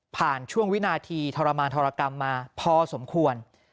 ช่วงวินาทีทรมานทรกรรมมาพอสมควร